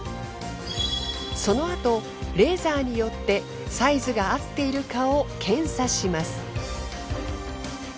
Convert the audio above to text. そのあとレーザーによってサイズが合っているかを検査します。